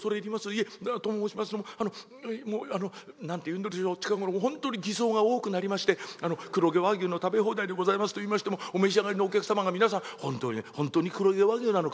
いえと申しますのも何ていうんでしょう近頃本当に偽装が多くなりまして黒毛和牛の食べ放題でございますといいましてもお召し上がりのお客様が皆さん本当に本当に黒毛和牛なのか？